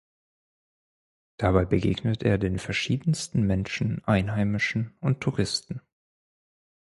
Dabei begegnet er den verschiedensten Menschen, Einheimischen und Touristen.